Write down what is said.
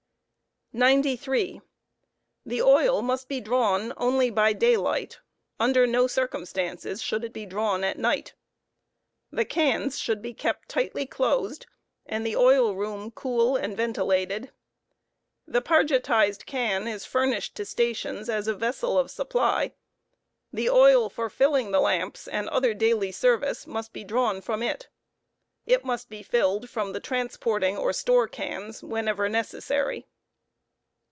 93. The oil must bo drawn only by daylight. Under no circumstances should it drawn at night. The cans should be kept tightly closed and the oil mom cool and ventilated. The pargetized can is furnished to stations as a vessel of supply, oil for filling the lamps and other daily service must bo drawn from it. It must filled from the transporting or store cans whenever necessary.